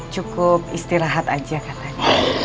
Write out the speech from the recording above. cukup istirahat aja katanya